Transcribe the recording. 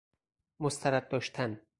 مسترد داشتن